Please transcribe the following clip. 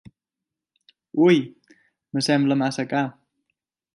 Ui, em sembla massa car.